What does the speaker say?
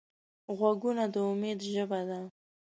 غوږونه د امید ژبه ده